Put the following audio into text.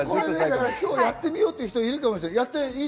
今日やってみようっていう人、いるかもしれない。